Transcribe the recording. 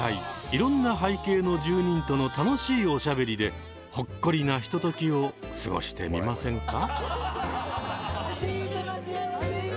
いろんな背景の住人との楽しいおしゃべりでほっこりなひとときを過ごしてみませんか？